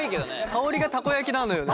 香りがたこ焼きなのよね。